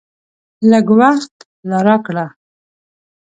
لږ وخت لا راکړه !